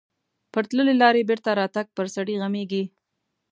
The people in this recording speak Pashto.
پر تللې لارې بېرته راتګ پر سړي غمیږي.